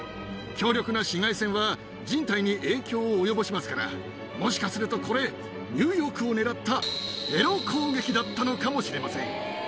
強力な紫外線は人体に影響を及ぼしますから、もしかするとこれ、ニューヨークを狙ったテロ攻撃だったのかもしれません。